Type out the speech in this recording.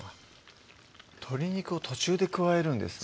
鶏肉を途中で加えるんですね